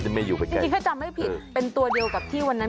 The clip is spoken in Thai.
จริงจริงถ้าจำไม่ผิดเป็นตัวเดียวกับที่วันนั้น